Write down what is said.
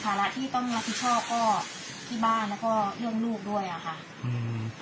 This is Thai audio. ละที่ต้องรับผิดชอบก็ที่บ้านแล้วก็เรื่องลูกด้วยอ่ะค่ะอืม